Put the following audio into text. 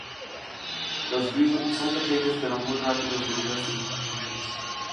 Los "green" son pequeños pero muy rápidos debido a sus desniveles.